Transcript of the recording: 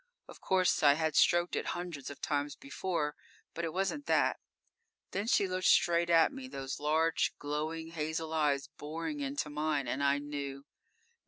Of course I had stroked it hundreds of times before, but it wasn't that. Then she looked straight at me, those large, glowing hazel eyes boring into mine, and I knew.